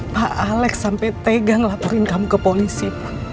pak alex sampai tegang laporin kamu ke polisi